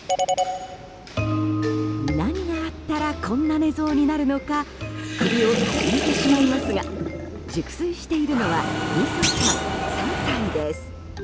何があったらこんな寝相になるのか首をかしげてしまいますが熟睡しているのは味噌ちゃん、３歳です。